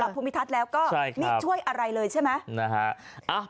ภูมิทัศน์แล้วก็ไม่ช่วยอะไรเลยใช่ไหม